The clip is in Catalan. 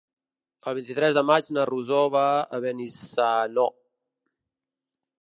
El vint-i-tres de maig na Rosó va a Benissanó.